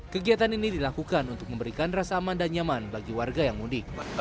kegiatan ini dilakukan untuk memberikan rasa aman dan nyaman bagi warga yang mudik